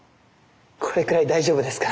これくらい大丈夫ですから。